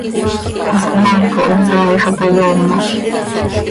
Hasahmaaco hin saai xah ta yoomoz.